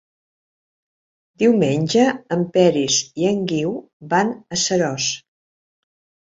Diumenge en Peris i en Guiu van a Seròs.